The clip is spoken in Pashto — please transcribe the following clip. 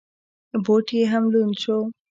بوټ یې هم لوند شو.